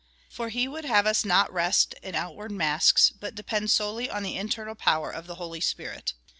For he would have us not rest in out ward masks, but depend solely on the internal power of the Holy Spirit.